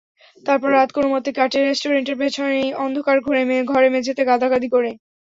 তারপর রাত কোনোমতে কাটে রেস্টুরেন্টের পেছনেই অন্ধকার ঘরে মেঝেতে গাদাগাদি করে।